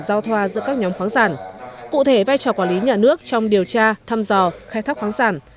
giao thoa giữa các nhóm khoáng sản cụ thể vai trò quản lý nhà nước trong điều tra thăm dò khai thác khoáng sản